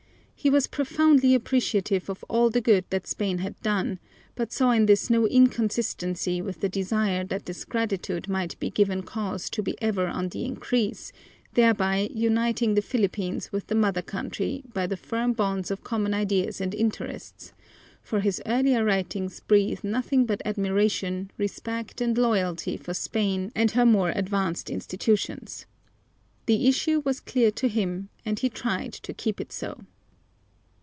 He was profoundly appreciative of all the good that Spain had done, but saw in this no inconsistency with the desire that this gratitude might be given cause to be ever on the increase, thereby uniting the Philippines with the mother country by the firm bonds of common ideas and interests, for his earlier writings breathe nothing but admiration, respect, and loyalty for Spain and her more advanced institutions. The issue was clear to him and he tried to keep it so.